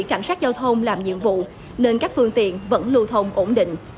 cảnh sát giao thông làm nhiệm vụ nên các phương tiện vẫn lưu thông ổn định